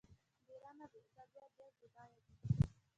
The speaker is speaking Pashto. د ایران ادبیات ډیر بډایه دي.